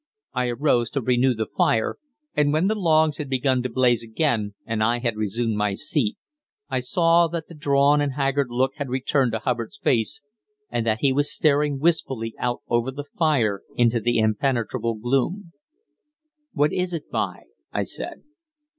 I arose to renew the fire, and when the logs had begun to blaze again, and I had resumed my seat, I saw that the drawn and haggard look had returned to Hubbard's face, and that he was staring wistfully out over the fire into the impenetrable gloom. "What is it, b'y?" I said.